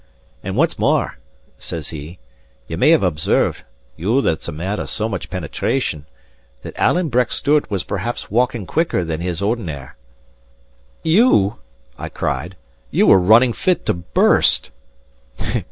And what's mair," says he, "ye may have observed (you that's a man of so much penetration) that Alan Breck Stewart was perhaps walking quicker than his ordinar'." "You!" I cried, "you were running fit to burst."